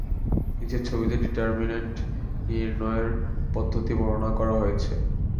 নিচের ছবিতে ডিটারমিনেন্ট নির্ণয়ের পদ্ধতি বর্ণনা করা হয়েছে।